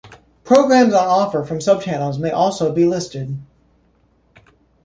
Programs on offer from subchannels may also be listed.